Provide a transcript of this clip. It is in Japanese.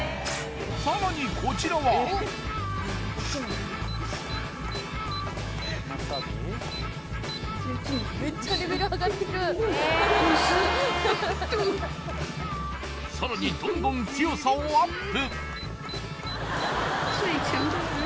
さらにこちらはさらにどんどん強さをアップ